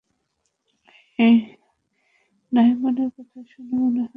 নাঈমুরের কথা শুনে মনে হলো, কোচের সঙ্গে আলোচনা করেছেন এসব বিষয়েও।